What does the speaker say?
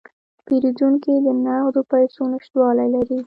پیرودونکی د نغدو پیسو نشتوالی لري.